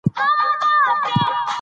ښوونځي په کليوالي سیمو کې هم جوړ شوي دي.